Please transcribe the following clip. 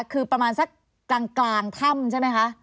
คือประมาณสักกลางถ้ำใช่ไหมคะ